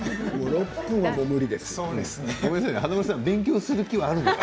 ６分は無理です。